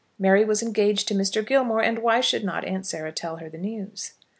Mary was engaged to Mr. Gilmore, and why should not Aunt Sarah tell her news?